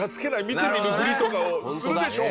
見て見ぬふりとかをするでしょ？